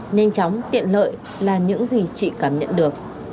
nhanh chóng tiện lợi là những gì chị cảm nhận được